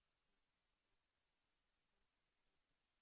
โปรดติดตามต่อไป